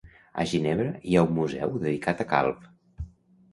A Ginebra hi ha un museu dedicat a Calv